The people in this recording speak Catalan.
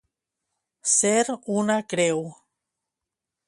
Ser una creu.